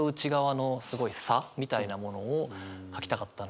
みたいなものを書きたかったので。